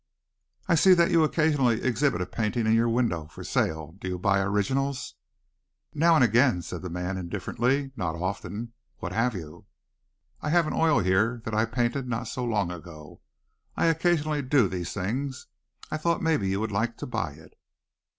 "I see that you occasionally exhibit a painting in your window for sale. Do you buy originals?" "Now and again," said the man indifferently "not often. What have you?" "I have an oil here that I painted not so long ago. I occasionally do these things. I thought maybe you would like to buy it."